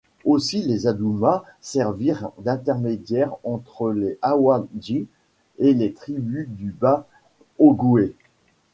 Aussi, les Adouma servirent d'intermédiaire entre les Awandji et les tribus du bas Ogooué.